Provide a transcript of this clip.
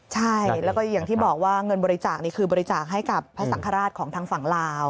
ใช่แล้วก็อย่างที่บอกว่าเงินบริจาคนี่คือบริจาคให้กับพระสังฆราชของทางฝั่งลาว